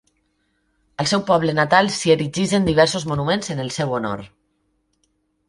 Al seu poble natal s'hi erigeixen diversos monuments en el seu honor.